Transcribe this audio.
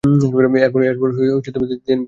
এরপর তিনি বিমানবাহিনীতে যোগ দেন।